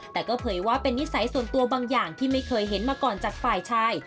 แต่ก็เผยว่าเป็นนิสัยส่วนตัวบางอย่างที่ไม่เคยเห็นมาก่อนจากฝ่ายชาย